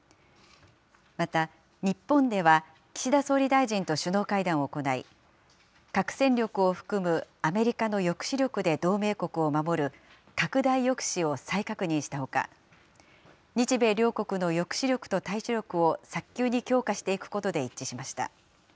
また、日本では岸田総理大臣と首脳会談を行い、核戦力を含むアメリカの抑止力で同盟国を守る、拡大抑止を再確認したほか、日米両国の抑止力と対処力を早急に強化していくことで一致しました。